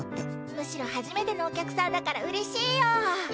むしろ初めてのお客さんだからうれしいよ。